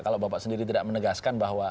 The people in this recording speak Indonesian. kalau bapak sendiri tidak menegaskan bahwa